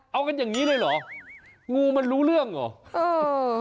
เอากันอย่างนี้เลยเหรองูมันรู้เรื่องเหรอเออ